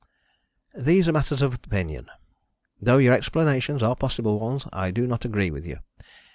"These are matters of opinion, and, though your explanations are possible ones, I do not agree with you.